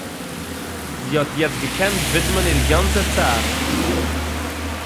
זי האָט יעצט געקענט ווידמען איר גאַנצע צייט